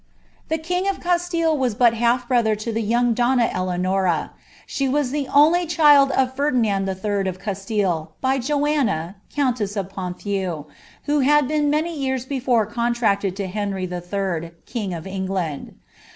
;*he king of Castille was but half brother to the young donna Elea I. She was the only child of Ferdinand III. of Castille, by Joanna, ntess of Ponthieu, who had been many years before contracted to iry III., king of England.